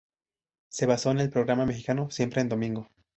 Se basó en el programa mexicano "Siempre en domingo".